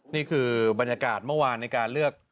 นี่คือบรรยากาศเมื่อวานในการเลือก